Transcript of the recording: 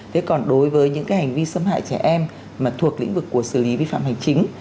thế còn đối với những cái hành vi xâm hại trẻ em mà thuộc lĩnh vực của xử lý vi phạm hành chính